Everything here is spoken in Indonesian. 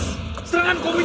divulgang kau semua ini